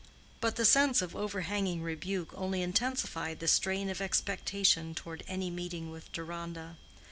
But the sense of overhanging rebuke only intensified the strain of expectation toward any meeting with Deronda.